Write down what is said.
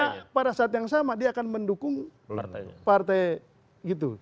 karena pada saat yang sama dia akan mendukung partai gitu